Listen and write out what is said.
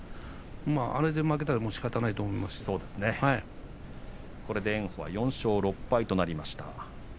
あれで負けたらしかたないとこれで炎鵬は４勝６敗となりました。